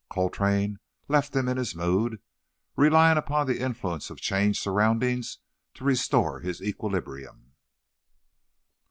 Coltrane left him in his mood, relying upon the influence of changed surroundings to restore his equilibrium.